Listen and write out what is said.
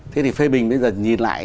thế thì phê bình bây giờ nhìn lại